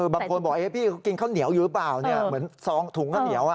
บางคนบอกพี่เขากินข้าวเหนียวอยู่หรือเปล่าเหมือนซองถุงข้าวเหนียว